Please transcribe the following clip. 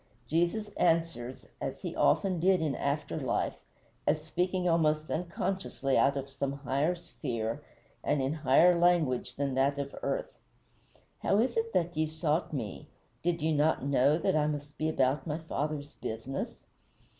Jesus answers, as he so often did in after life, as speaking almost unconsciously out of some higher sphere, and in higher language than that of earth: "How is it that ye sought me? Did ye not know that I must be about my Father's business?"